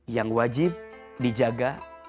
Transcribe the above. yang wajib dijaga